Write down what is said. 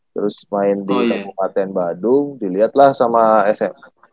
terus main di kabupaten badung diliat lah sama sma